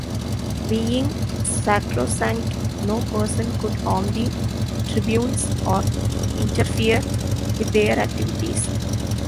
Being sacrosanct, no person could harm the tribunes or interfere with their activities.